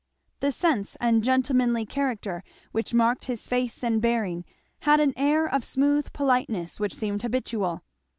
The sense and gentlemanly character which marked his face and bearing had an air of smooth politeness which seemed habitual.